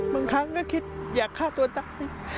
บางครั้งก็คิดอยากฆ่าตัวตาย